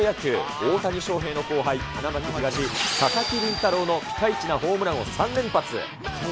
大谷翔平の後輩、花巻東、佐々木麟太郎のピカイチなホームランを３連発。